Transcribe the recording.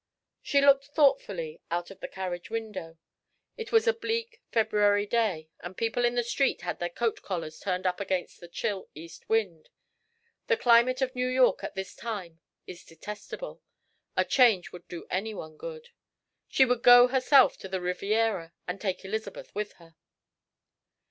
She looked thoughtfully out of the carriage window. It was a bleak February day, and people in the street had their coat collars turned up against the chill east wind. The climate of New York at this time is detestable; a change would do any one good. She would go herself to the Riviera and take Elizabeth with her.